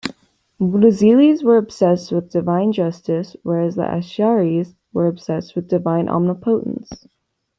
Mu'tazilis were obsessed with Divine justice, whereas the Ash'aris were obsessed with Divine omnipotence.